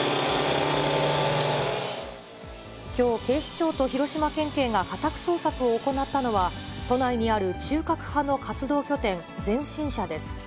きょう、警視庁と広島県警が家宅捜索を行ったのは、都内にある中核派の活動拠点、前進社です。